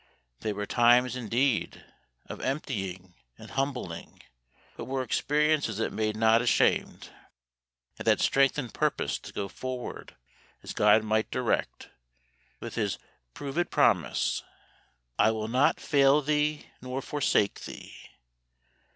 They were times, indeed, of emptying and humbling, but were experiences that made not ashamed, and that strengthened purpose to go forward as GOD might direct, with His proved promise, "I will not fail thee, nor forsake thee."